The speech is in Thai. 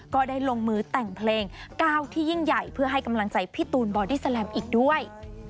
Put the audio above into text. ก็ได้ลงมือแต่งเพลงก้าวที่ยิ่งใหญ่เพื่อให้กำลังใจพี่ตูนบอดี้แลมอีกด้วย